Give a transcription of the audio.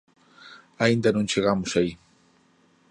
Aínda non chegamos aí.